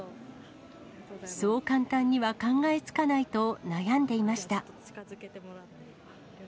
そう簡単には考えつかないと悩んでいました。